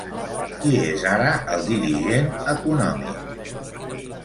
Qui és ara el dirigent econòmic?